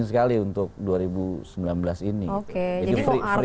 votegator itu sangat penting sekali untuk dua ribu sembilan belas ini